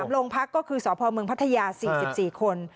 ๓โรงพักษณ์ก็คือสพมพัทยา๔๔คน